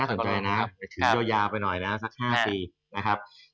น่าสนใจนะครับถือโยยาไปหน่อยนะสัก๕๔นะครับ